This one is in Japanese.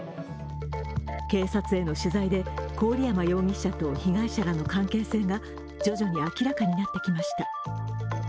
警察への取材で郡山容疑者と被害者らの関係性が徐々に明らかになってきました。